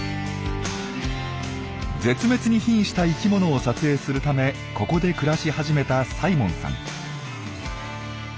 絶滅にひんした生きものを撮影するためここで暮らし始めたサイモンさん。